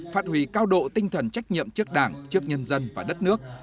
phát huy cao độ tinh thần trách nhiệm trước đảng trước nhân dân và đất nước